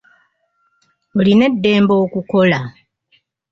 Olina eddembe okukola.